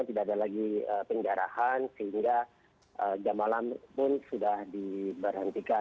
tidak ada lagi penjarahan sehingga jam malam pun sudah diberhentikan